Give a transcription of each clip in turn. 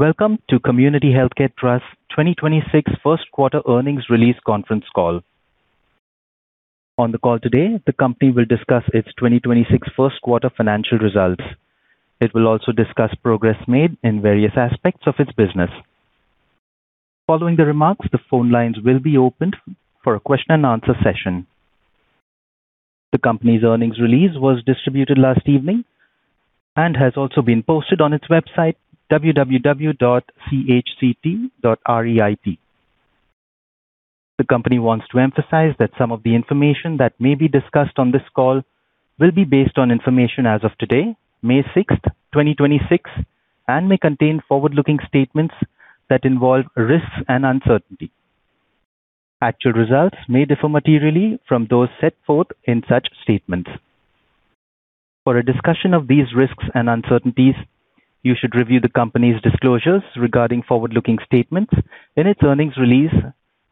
Welcome to Community Healthcare Trust 2026 First Quarter Earnings Release Conference Call. On the call today, the company will discuss its 2026 first quarter financial results. It will also discuss progress made in various aspects of its business. Following the remarks, the phone lines will be opened for a question and answer session. The company's earnings release was distributed last evening and has also been posted on its website, www.chct.reit. The company wants to emphasize that some of the information that may be discussed on this call will be based on information as of today, May 6, 2026, and may contain forward-looking statements that involve risks and uncertainty. Actual results may differ materially from those set forth in such statements. For a discussion of these risks and uncertainties, you should review the company's disclosures regarding forward-looking statements in its earnings release,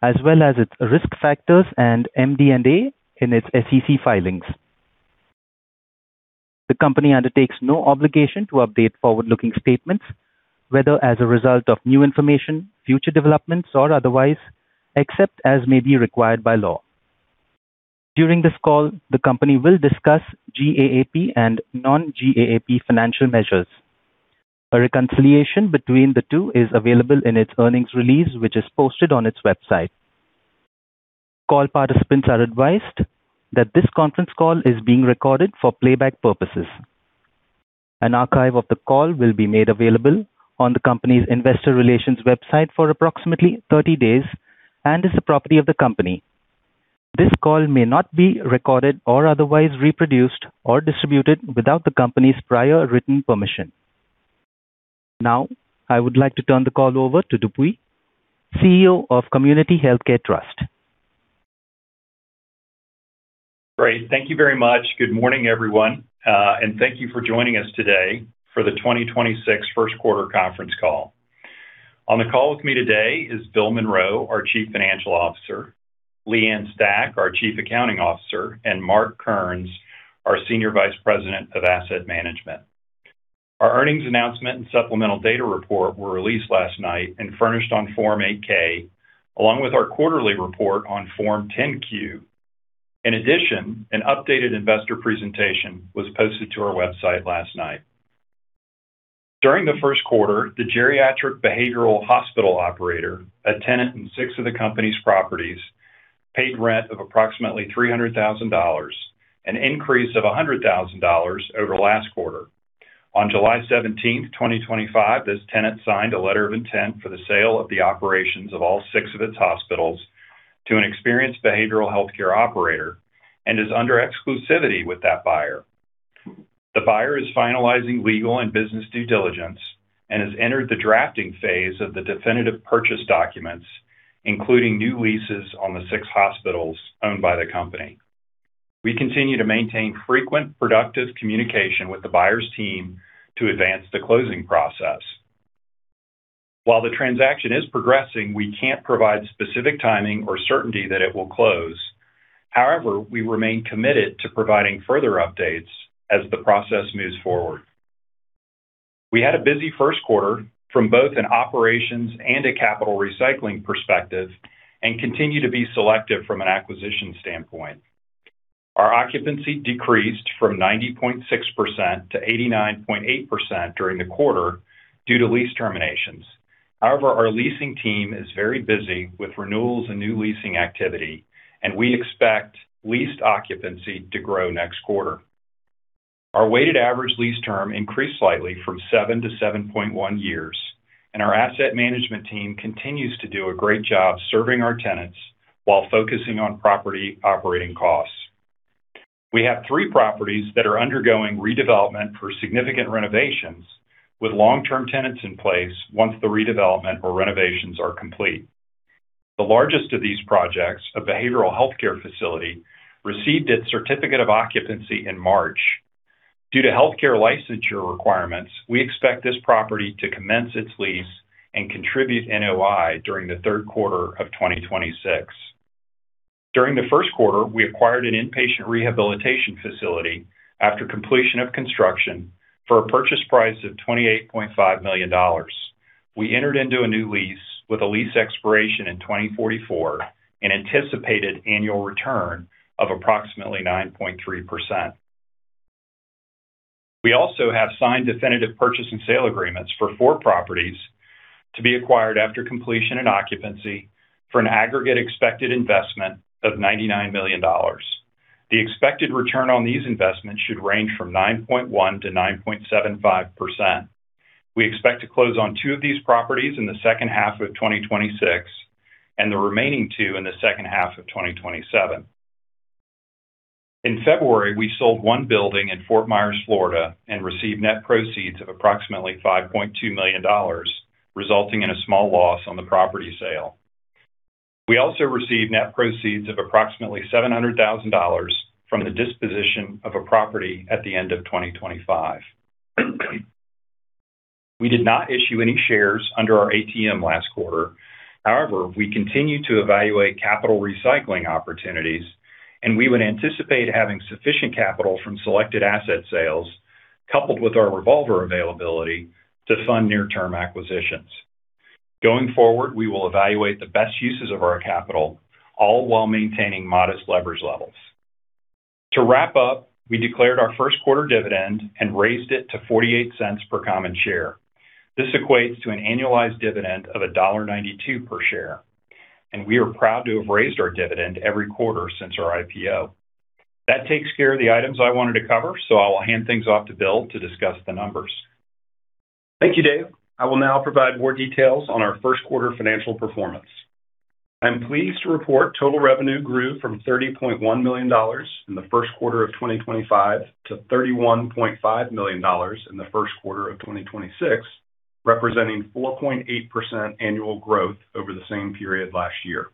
as well as its risk factors and MD&A in its SEC filings. The company undertakes no obligation to update forward-looking statements, whether as a result of new information, future developments, or otherwise, except as may be required by law. During this call, the company will discuss GAAP and non-GAAP financial measures. A reconciliation between the two is available in its earnings release, which is posted on its website. Call participants are advised that this conference call is being recorded for playback purposes. An archive of the call will be made available on the company's investor relations website for approximately 30 days and is the property of the company. This call may not be recorded or otherwise reproduced or distributed without the company's prior written permission. I would like to turn the call over to Dupuy, CEO of Community Healthcare Trust. Great. Thank you very much. Good morning, everyone, thank you for joining us today for the 2026 first quarter conference call. On the call with me today is Bill Monroe, our Chief Financial Officer, Leigh Ann Stach, our Chief Accounting Officer, and Mark Kearns, our Senior Vice President of Asset Management. Our earnings announcement and supplemental data report were released last night and furnished on Form 8-K, along with our quarterly report on Form 10-Q. In addition, an updated investor presentation was posted to our website last night. During the first quarter, the geriatric behavioral hospital operator, a tenant in six of the company's properties, paid rent of approximately $300,000, an increase of $100,000 over last quarter. On July 17, 2025, this tenant signed a letter of intent for the sale of the operations of all six of its hospitals to an experienced behavioral healthcare operator and is under exclusivity with that buyer. The buyer is finalizing legal and business due diligence and has entered the drafting phase of the definitive purchase documents, including new leases on the six hospitals owned by the company. We continue to maintain frequent, productive communication with the buyer's team to advance the closing process. While the transaction is progressing, we can't provide specific timing or certainty that it will close. However, we remain committed to providing further updates as the process moves forward. We had a busy first quarter from both an operations and a capital recycling perspective and continue to be selective from an acquisition standpoint. Our occupancy decreased from 90.6% to 89.8% during the quarter due to lease terminations. Our leasing team is very busy with renewals and new leasing activity, and we expect leased occupancy to grow next quarter. Our weighted average lease term increased slightly from seven to 7.1 years, and our Asset Management team continues to do a great job serving our tenants while focusing on property operating costs. We have three properties that are undergoing redevelopment for significant renovations with long-term tenants in place once the redevelopment or renovations are complete. The largest of these projects, a behavioral healthcare facility, received its certificate of occupancy in March. Due to healthcare licensure requirements, we expect this property to commence its lease and contribute NOI during the third quarter of 2026. During the first quarter, we acquired an inpatient rehabilitation facility after completion of construction for a purchase price of $28.5 million. We entered into a new lease with a lease expiration in 2044, an anticipated annual return of approximately 9.3%. We also have signed definitive purchase and sale agreements for four properties to be acquired after completion and occupancy for an aggregate expected investment of $99 million. The expected return on these investments should range from 9.1%-9.75%. We expect to close on two of these properties in the second half of 2026 and the remaining two in the second half of 2027. In February, we sold one building in Fort Myers, Florida and received net proceeds of approximately $5.2 million, resulting in a small loss on the property sale. We also received net proceeds of approximately $700,000 from the disposition of a property at the end of 2025. We did not issue any shares under our ATM last quarter. We continue to evaluate capital recycling opportunities, and we would anticipate having sufficient capital from selected asset sales coupled with our revolver availability to fund near-term acquisitions. Going forward, we will evaluate the best uses of our capital, all while maintaining modest leverage levels. To wrap up, we declared our first quarter dividend and raised it to $0.48 per common share. This equates to an annualized dividend of $1.92 per share, and we are proud to have raised our dividend every quarter since our IPO. That takes care of the items I wanted to cover, so I'll hand things off to Bill to discuss the numbers. Thank you, Dave. I will now provide more details on our first quarter financial performance. I'm pleased to report total revenue grew from $30.1 million in the first quarter of 2025 to $31.5 million in the first quarter of 2026, representing 4.8% annual growth over the same period last year.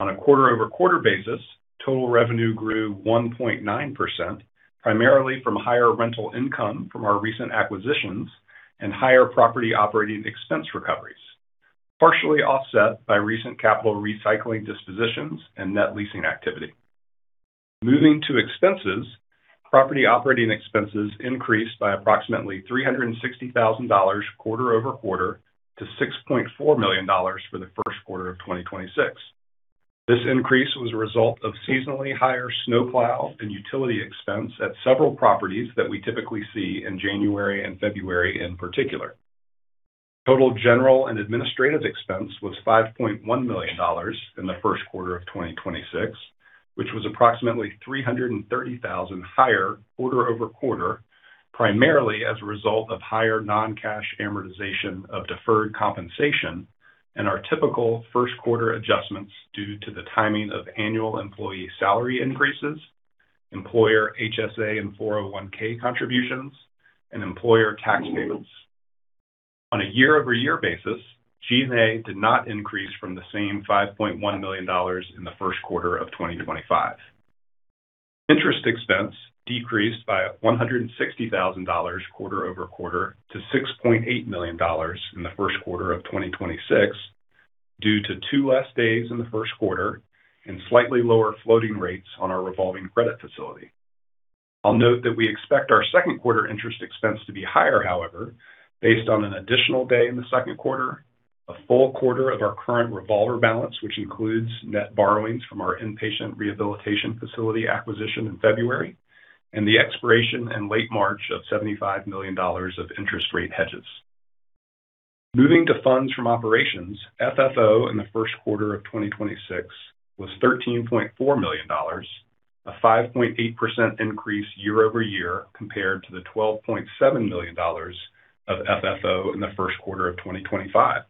On a quarter-over-quarter basis, total revenue grew 1.9%, primarily from higher rental income from our recent acquisitions and higher property operating expense recoveries, partially offset by recent capital recycling dispositions and net leasing activity. Moving to expenses, property operating expenses increased by approximately $360,000 quarter-over-quarter to $6.4 million for the first quarter of 2026. This increase was a result of seasonally higher snowplow and utility expense at several properties that we typically see in January and February in particular. Total general and administrative expense was $5.1 million in the first quarter of 2026, which was approximately $330,000 higher quarter-over-quarter, primarily as a result of higher non-cash amortization of deferred compensation and our typical first quarter adjustments due to the timing of annual employee salary increases, employer HSA and 401(k) contributions, and employer tax payments. On a year-over-year basis, G&A did not increase from the same $5.1 million in the first quarter of 2025. Interest expense decreased by $160,000 quarter-over-quarter to $6.8 million in the first quarter of 2026 due to two less days in the first quarter and slightly lower floating rates on our revolving credit facility. I'll note that we expect our second quarter interest expense to be higher, however, based on an additional day in the second quarter, a full quarter of our current revolver balance, which includes net borrowings from our inpatient rehabilitation facility acquisition in February, and the expiration in late March of $75 million of interest rate hedges. Moving to funds from operations, FFO in the first quarter of 2026 was $13.4 million, a 5.8% increase year-over-year compared to the $12.7 million of FFO in the first quarter of 2025.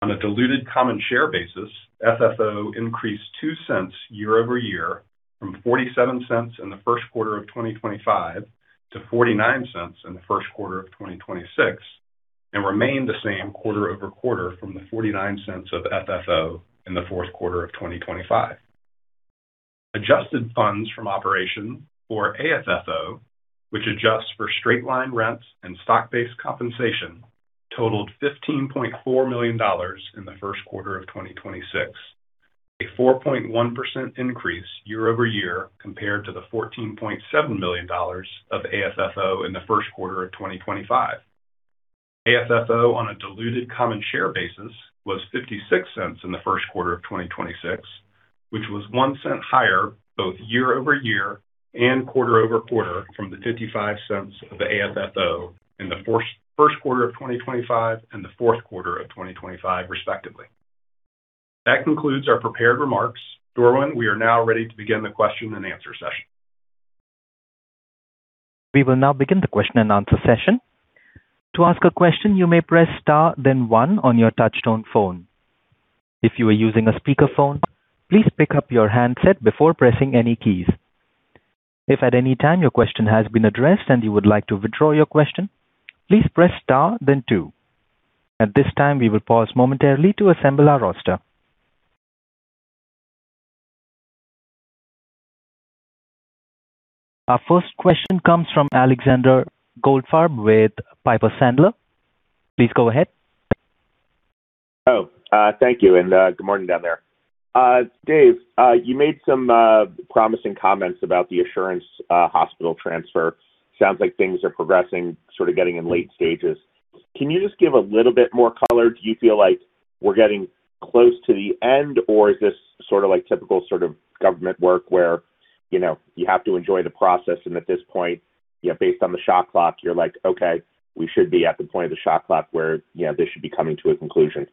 On a diluted common share basis, FFO increased $0.02 year-over-year from $0.47 in the first quarter of 2025 to $0.49 in the first quarter of 2026 and remained the same quarter-over-quarter from the $0.49 of FFO in the fourth quarter of 2025. Adjusted funds from operation or AFFO, which adjusts for straight-line rents and stock-based compensation, totaled $15.4 million in the first quarter of 2026, a 4.1% increase year-over-year compared to the $14.7 million of AFFO in the first quarter of 2025. AFFO on a diluted common share basis was $0.56 in the first quarter of 2026, which was $0.01 higher both year-over-year and quarter-over-quarter from the $0.55 of AFFO in the first quarter of 2025 and the fourth quarter of 2025, respectively. That concludes our prepared remarks. Darwin, we are now ready to begin the question and answer session. Our first question comes from Alexander Goldfarb with Piper Sandler. Please go ahead. Oh, thank you, and good morning down there. Dave, you made some promising comments about the Assurance hospital transfer. Sounds like things are progressing, sort of getting in late stages. Can you just give a little bit more color? Do you feel like we're getting close to the end, or is this sort of like typical sort of government work where, you know, you have to enjoy the process and at this point, you know, based on the shot clock, you're like, okay, we should be at the point of the shot clock where, you know, this should be coming to a conclusion?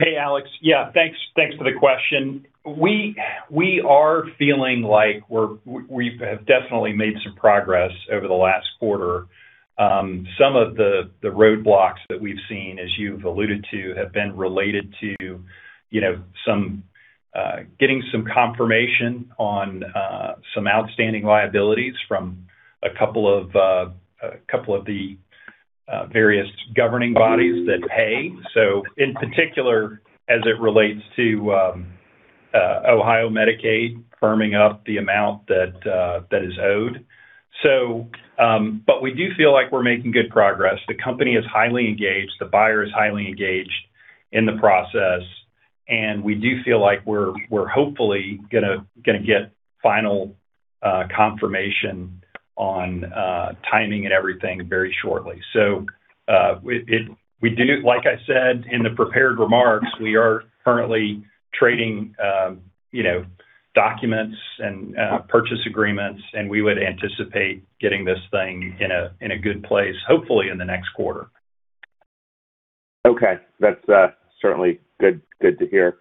Hey, Alex. Thanks for the question. We are feeling like we have definitely made some progress over the last quarter. Some of the roadblocks that we've seen, as you've alluded to, have been related to, you know, some getting some confirmation on some outstanding liabilities from a couple of the various governing bodies that pay. In particular, as it relates to Ohio Medicaid firming up the amount that is owed. We do feel like we're making good progress. The company is highly engaged. The buyer is highly engaged in the process. We do feel like we're hopefully gonna get final confirmation on timing and everything very shortly. We do Like I said in the prepared remarks, we are currently trading, you know, documents and purchase agreements, and we would anticipate getting this thing in a good place, hopefully in the next quarter. Okay. That's certainly good to hear.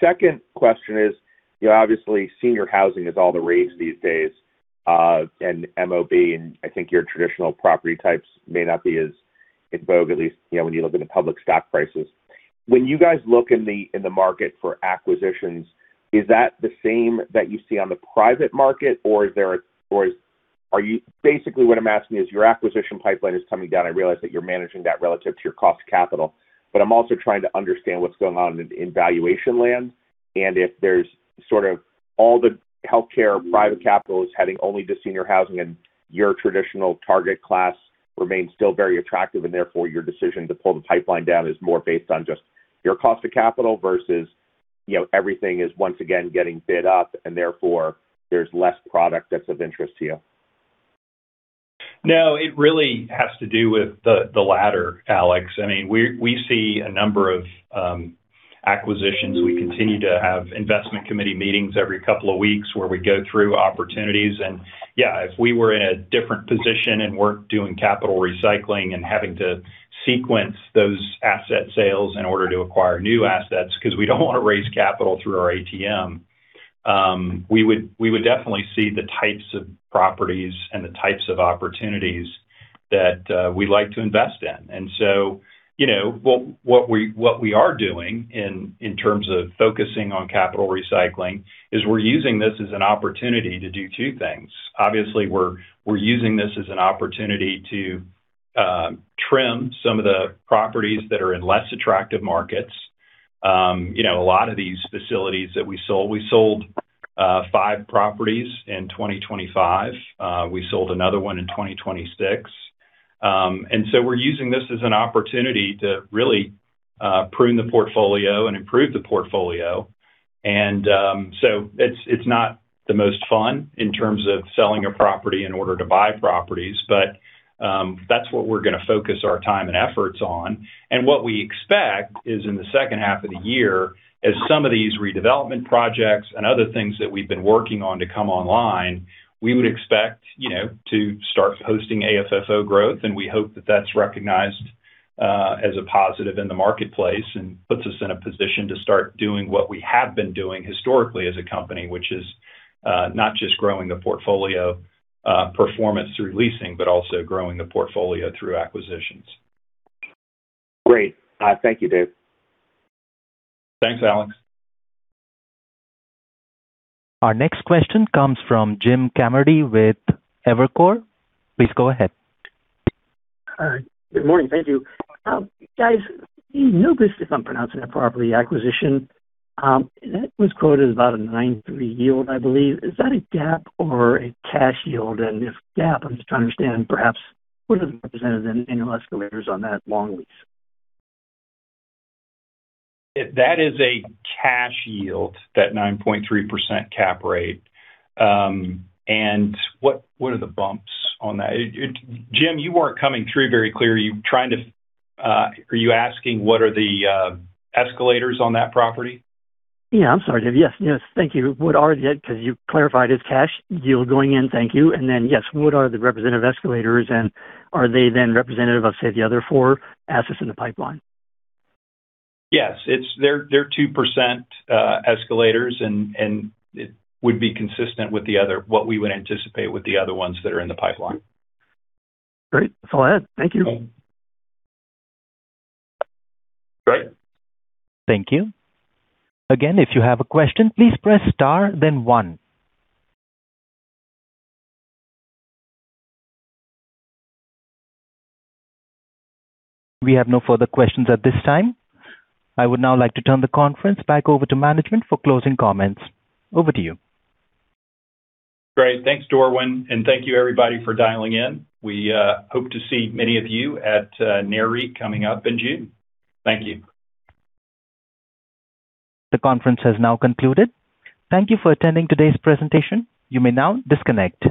Second question is, you know, obviously senior housing is all the rage these days, and MOB, and I think your traditional property types may not be as in vogue, at least, you know, when you look at the public stock prices. When you guys look in the market for acquisitions, is that the same that you see on the private market, or Basically, what I'm asking is, your acquisition pipeline is coming down. I realize that you're managing that relative to your cost capital, I'm also trying to understand what's going on in valuation land. If there's sort of all the healthcare private capital is heading only to senior housing and your traditional target class remains still very attractive, and therefore your decision to pull the pipeline down is more based on just your cost of capital versus, you know, everything is once again getting bid up, and therefore there's less product that's of interest to you. No, it really has to do with the latter, Alex. I mean, we see a number of acquisitions. We continue to have investment committee meetings every couple of weeks where we go through opportunities. Yeah, if we were in a different position and weren't doing capital recycling and having to sequence those asset sales in order to acquire new assets, 'cause we don't wanna raise capital through our ATM, we would definitely see the types of properties and the types of opportunities that we like to invest in. So, you know, what we are doing in terms of focusing on capital recycling is we're using this as an opportunity to do two things. Obviously, we're using this as an opportunity to trim some of the properties that are in less attractive markets. you know, a lot of these facilities that we sold, we sold five properties in 2025. We sold another one in 2026. We're using this as an opportunity to really prune the portfolio and improve the portfolio. It's not the most fun in terms of selling a property in order to buy properties, but that's what we're gonna focus our time and efforts on. What we expect is in the second half of the year, as some of these redevelopment projects and other things that we've been working on to come online, we would expect, you know, to start posting AFFO growth, and we hope that that's recognized as a positive in the marketplace and puts us in a position to start doing what we have been doing historically as a company, which is not just growing the portfolio performance through leasing, but also growing the portfolio through acquisitions. Great. Thank you, Dave. Thanks, Alex. Our next question comes from Jim Kammert with Evercore. Please go ahead. All right. Good morning. Thank you. guys, notice if I'm pronouncing that properly, acquisition, that was quoted as about a 9.3% yield, I believe. Is that a GAAP or a cash yield? If GAAP, I'm just trying to understand perhaps what are the representatives in annual escalators on that long lease. That is a cash yield, that 9.3% cap rate. What, what are the bumps on that? Jim, you weren't coming through very clear. Are you asking what are the escalators on that property? Yeah. I'm sorry, Dave. Yes, yes. Thank you. Because you clarified it's cash yield going in. Thank you. Yes, what are the representative escalators, and are they then representative of, say, the other four assets in the pipeline? Yes. They're 2% escalators and it would be consistent with the other, what we would anticipate with the other ones that are in the pipeline. Great. That's all I had. Thank you. Great. Thank you. Again, if you have a question, please press star then one. We have no further questions at this time. I would now like to turn the conference back over to management for closing comments. Over to you. Great. Thanks, Darwin. Thank you, everybody, for dialing in. We hope to see many of you at NAREIT coming up in June. Thank you. The conference has now concluded. Thank You for attending today's presentation. You may now disconnect.